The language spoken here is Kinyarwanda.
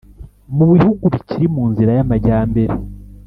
mu bihugu bikiri mu nzira y’amajyambere